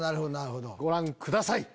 ご覧ください！